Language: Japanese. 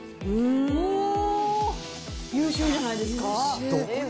優秀じゃないですか。